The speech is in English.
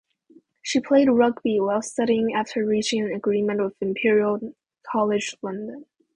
She played rugby while studying after reaching an agreement with Imperial College London.